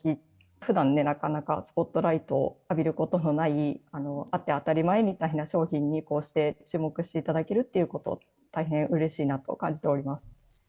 ふだんね、なかなかスポットライトを浴びることのない、あって当たり前みたいな商品にこうして注目していただけるっていうこと、大変うれしいなと感じております。